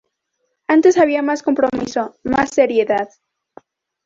Antes había más compromiso, más seriedad.